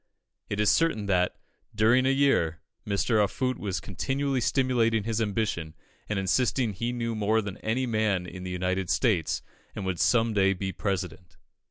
It is certain that, during a year, Mr. Offutt was continually stimulating his ambition, and insisting that he knew more than any man in the United States, and would some day be President.